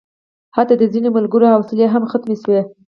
حتی د ځینو ملګرو حوصلې هم ختمې شوې.